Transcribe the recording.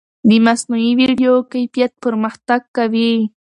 د مصنوعي ویډیو کیفیت پرمختګ کوي.